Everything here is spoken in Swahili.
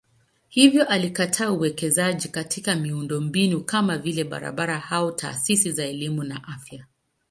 Hivyo alikataa uwekezaji katika miundombinu kama vile barabara au taasisi za elimu na afya.